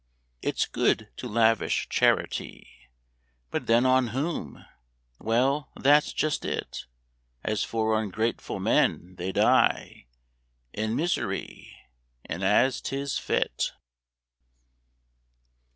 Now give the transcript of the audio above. It's good to lavish charity; But then on whom? Well, that's just it. As for ungrateful men, they die In misery, and as 'tis fit.